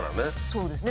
そうですね。